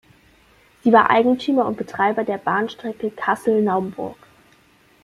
Sie war Eigentümer und Betreiber der Bahnstrecke Kassel–Naumburg.